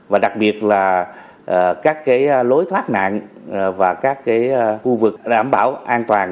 và đặc biệt là các cái lối thoát nạn và các cái khu vực đảm bảo an toàn